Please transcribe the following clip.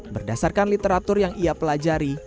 berdasarkan literatur yang ia pelajari